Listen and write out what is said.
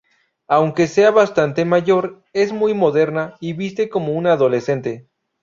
Aunque sea bastante mayor es muy moderna y viste como una adolescente.